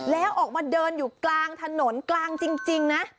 แล้วออกมาเดินอยู่กลางถนนกลางจริงนะ